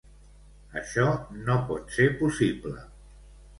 Això no pot ser possible.